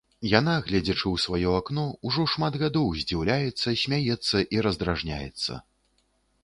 Яна, гледзячы ў сваё акно, ужо шмат гадоў здзіўляецца, смяецца і раздражняецца.